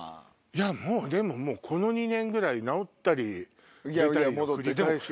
もうでもこの２年ぐらい治ったり出たりの繰り返しよ。